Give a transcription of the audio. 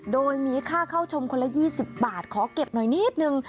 โดยมีค่าเข้าชมคนละ๒๐บาทขอเก็บหน่อยนิดนึง